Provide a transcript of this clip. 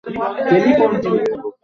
যেমন করেই হোক, তাতে গ্লানি নেই।